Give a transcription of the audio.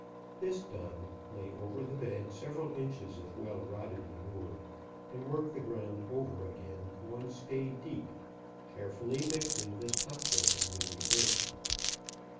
This done, lay over the bed sever al inches of well rotted manure, and work the ground over again one spade deep, care fully mixing this top dressing with the earth.